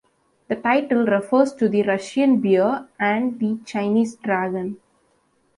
The title refers to the Russian Bear and the Chinese Dragon.